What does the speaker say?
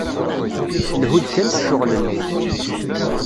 Lhu-d kan s ccɣel-nnek.